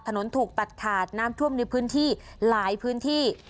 ถูกตัดขาดน้ำท่วมในพื้นที่หลายพื้นที่